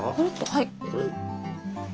はい？